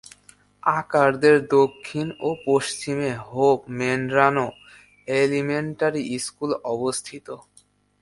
আকারদের দক্ষিণ ও পশ্চিমে হোপ মেড্রানো এলিমেন্টারি স্কুল অবস্থিত।